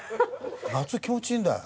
夏気持ちいいんだよ。